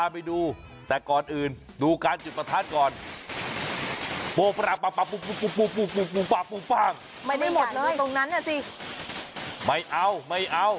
ว้าว